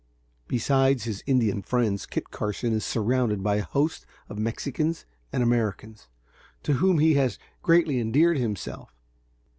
Besides his Indian friends, Kit Carson is surrounded by a host of Mexicans and Americans, to whom he has greatly endeared himself.